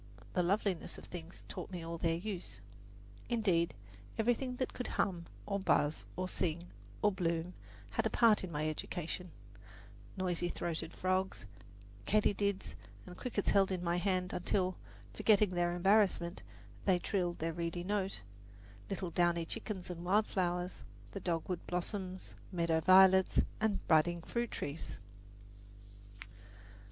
"The loveliness of things taught me all their use." Indeed, everything that could hum, or buzz, or sing, or bloom had a part in my education noisy throated frogs, katydids and crickets held in my hand until forgetting their embarrassment, they trilled their reedy note, little downy chickens and wildflowers, the dogwood blossoms, meadow violets and budding fruit trees.